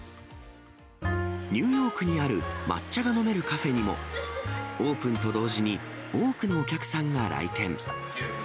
ニューヨークにある、抹茶が飲めるカフェにも、オープンと同時に、多くのお客さんが来店。